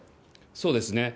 そうですね。